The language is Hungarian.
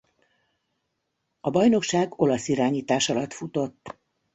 A bajnokság olasz irányítás alatt futott.